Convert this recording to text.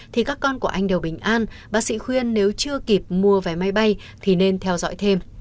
thì các con của anh đều bình an bác sĩ khuyên nếu chưa kịp mua vé máy bay thì nên theo dõi thêm